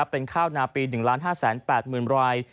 เป็นข้าวนาปี๑๕๘๐๐๐ราย